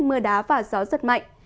mưa đá và gió rất mạnh